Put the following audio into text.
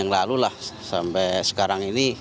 yang lalu lah sampai sekarang ini